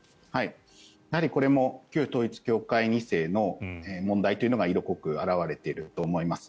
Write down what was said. やはり、これも旧統一教会２世の問題というのが色濃く表れていると思います。